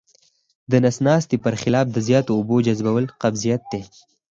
د نس ناستي پر خلاف د زیاتو اوبو جذبول قبضیت دی.